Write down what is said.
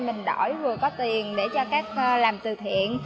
mình đổi vừa có tiền để cho các làm từ thiện